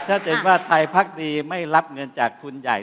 ถ้าเกิดว่าไทยพักดีไม่รับเงินจากทุนใหญ่